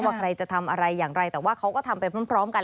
ใครจะทำอะไรอย่างไรแต่ว่าเขาก็ทำไปพร้อมกัน